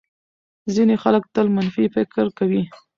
ځینې خلک تل منفي فکر کوي.